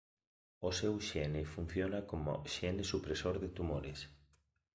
O seu xene funciona como xene supresor de tumores.